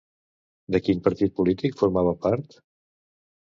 De quin partit polític formava part?